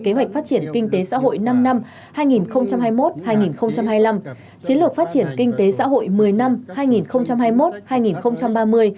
kế hoạch phát triển kinh tế xã hội năm năm hai nghìn hai mươi một hai nghìn hai mươi năm chiến lược phát triển kinh tế xã hội một mươi năm hai nghìn hai mươi một hai nghìn ba mươi